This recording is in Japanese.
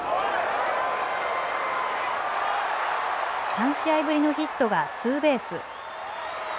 ３試合ぶりのヒットがツーベース。